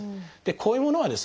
こういうものはですね